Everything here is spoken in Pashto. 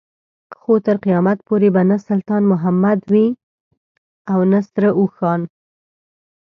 خو تر قيامت پورې به نه سلطان محمد خان وي او نه سره اوښان.